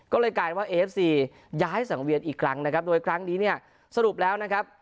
ก็เลยกลายว่าเอฟซีย้ายสังเวียนอีกครั้งนะครับโดยครั้งนี้เนี่ยสรุปแล้วนะครับ